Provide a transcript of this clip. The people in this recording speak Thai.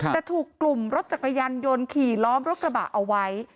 แต่ถูกกลุ่มรถจักรยานยนต์ขี่ล้อมรถกระบะเอาไว้